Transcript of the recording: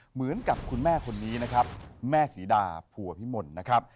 เหมือนกับคุณแม่คนนี้นะครับแม่ศรีดาผัวพิมลนะครับ